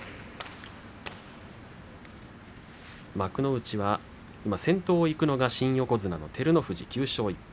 幕内、先頭を行くのが横綱照ノ富士９勝１敗。